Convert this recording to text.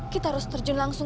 kita harus terjun langsung